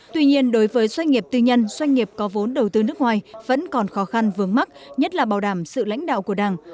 tuy nhiên đối với doanh nghiệp tư nhân doanh nghiệp có vốn đầu tư nước ngoài vẫn còn khó khăn vướng mắt nhất là bảo đảm sự lãnh đạo của đảng